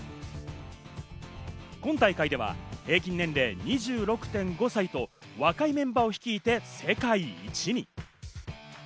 今大会では平均年齢２６．５歳と若いメンバーを率いて世界一に。